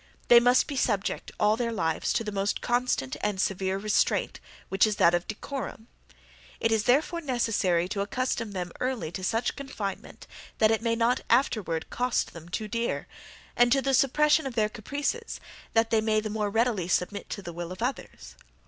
They must be subject, all their lives, to the most constant and severe restraint, which is that of decorum: it is, therefore, necessary to accustom them early to such confinement, that it may not afterward cost them too dear; and to the suppression of their caprices, that they may the more readily submit to the will of others.